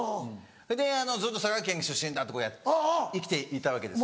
それでずっと佐賀県出身だって生きていたわけです。